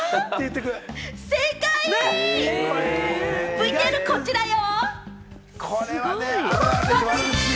ＶＴＲこちらよ！